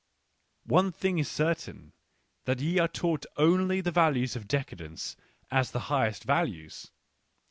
One thing is certain, that ye are taught only the values of decadence as the highest values.